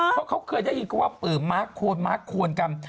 เพราะเขาเคยได้ยินก็ว่าม้าโคนม้าโคนกัน